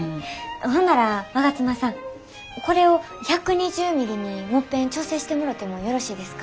ほんなら我妻さんこれを１２０ミリにもっぺん調整してもろてもよろしいですか？